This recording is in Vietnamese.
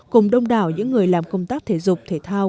cùng đông đảo những người làm công tác thể dục thể thao